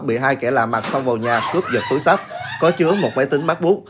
bị hai kẻ lạ mặt xông vào nhà cướp giật túi sách có chứa một máy tính bắt bút